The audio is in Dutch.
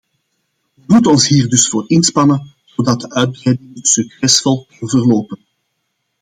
We moeten ons hier dus voor inspannen zodat de uitbreiding succesvol kan verlopen.